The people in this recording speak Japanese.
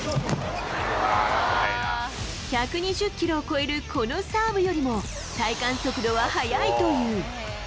１２０キロを超えるこのサーブよりも体感速度は速いという。